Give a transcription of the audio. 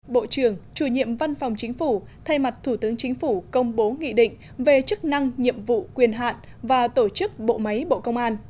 bộ trưởng chủ nhiệm văn phòng chính phủ thay mặt thủ tướng chính phủ công bố nghị định về chức năng nhiệm vụ quyền hạn và tổ chức bộ máy bộ công an